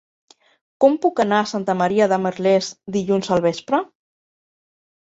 Com puc anar a Santa Maria de Merlès dilluns al vespre?